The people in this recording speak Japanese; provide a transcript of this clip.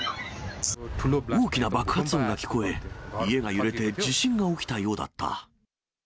大きな爆発音が聞こえ、家が揺れて、地震が起きたようだった。